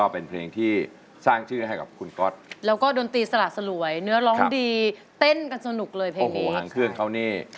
หนังให้ใครครับคุณก็จักกะพัน